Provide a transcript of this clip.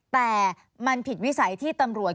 แต่มันผิดวิสัยที่ตำรวจ